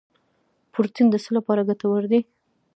پروټین د څه لپاره ګټور دی